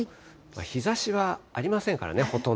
日ざしはありませんからね、ほと